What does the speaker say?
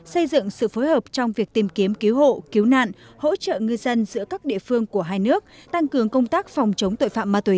xây dựng sự phối hợp trong việc tìm kiếm cứu hộ cứu nạn hỗ trợ ngư dân giữa các địa phương của hai nước tăng cường công tác phòng chống tội phạm ma túy